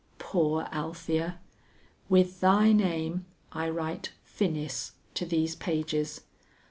Poor Althea! with thy name I write finis to these pages.